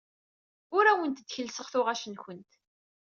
Ur awent-d-kellseɣ tuɣac-nwent.